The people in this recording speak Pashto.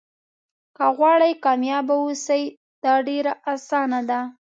که غواړئ کامیابه واوسئ دا ډېره اسانه ده.